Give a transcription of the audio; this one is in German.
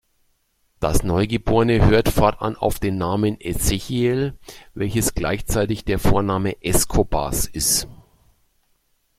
Das Neugeborene hört fortan auf den Namen "Ezequiel", welches gleichzeitig der Vorname "Escobars" ist.